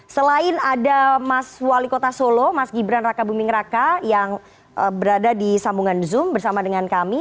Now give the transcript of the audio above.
selain ada mas wali kota solo mas gibran raka buming raka yang berada di sambungan zoom bersama dengan kami